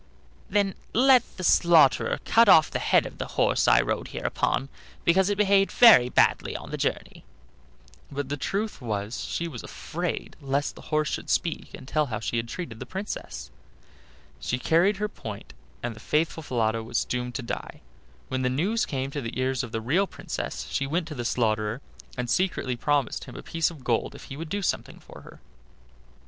"Then let the slaughterer cut off the head of the horse I rode here upon, because it behaved very badly on the journey." But the truth was she was afraid lest the horse should speak and tell how she had treated the Princess. She carried her point, and the faithful Falada was doomed to die. When the news came to the ears of the real Princess she went to the slaughterer, and secretly promised him a piece of gold if he would do something for her.